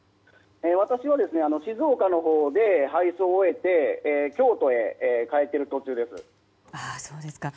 私は静岡のほうで配送を終えて京都へ帰っている途中です。